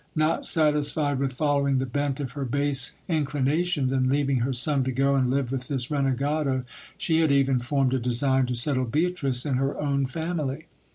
Not satisfied with following the bent of her base inclinations, and leaving her son to go and live with this renegado, she had even formed a design to settle Beatrice in her own family.